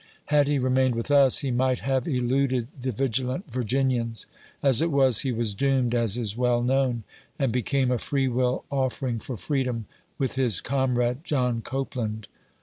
Had he remained with us, he might have eluded the vigilant Virginians. As it was, he was doomed, as is well known, and became a free will offering for freedom, with his comrade, John Copclaud.